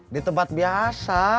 di tempat biasa